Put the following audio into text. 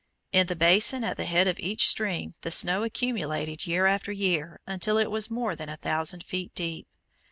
In the basin at the head of each stream the snow accumulated year after year until it was more than a thousand feet deep.